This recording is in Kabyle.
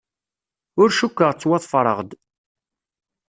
Ur cukkeɣ ttwaḍefreɣ-d.